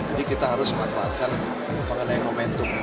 jadi kita harus memanfaatkan pengangguran momentum